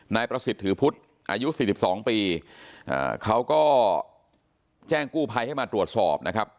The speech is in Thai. นายประสิทธิ์ถือพุทธอายุ๔๒ปีเขาก็แจ้งกู้ภัยให้มาตรวจสอบนะครับ